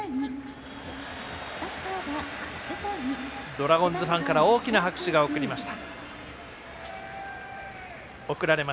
ドラゴンズファンから大きな拍手が送られました。